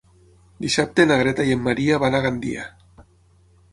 Dissabte na Greta i en Maria van a Gandia.